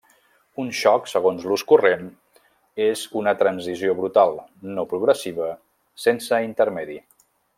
Un xoc segons l'ús corrent, és una transició brutal, no progressiva, sense intermedi.